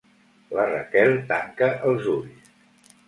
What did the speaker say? La Raquel tanca els ulls.